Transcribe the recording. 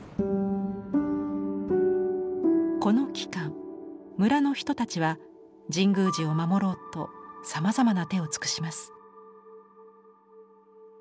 この期間村の人たちは神宮寺を守ろうとさまざまな手を尽くします。